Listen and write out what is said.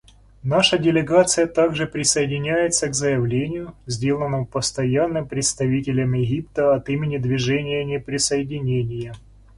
Наша делегация также присоединяется к заявлению, сделанному Постоянным представителем Египта от имени Движения неприсоединения.